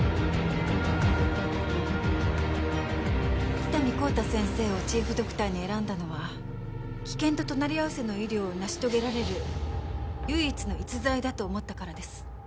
喜多見幸太先生をチーフドクターに選んだのは危険と隣り合わせの医療を成し遂げられる唯一の逸材だと思ったからです